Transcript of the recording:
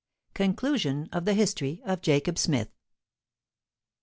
CONCLUSION OF THE HISTORY OF JACOB SMITH.